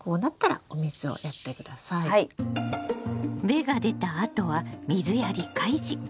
芽が出たあとは水やり開始！